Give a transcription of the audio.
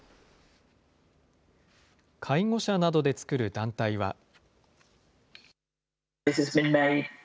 介護者などで作る団体は。